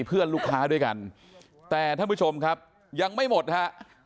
เพื่อนลูกค้าด้วยกันแต่ท่านผู้ชมครับยังไม่หมดฮะ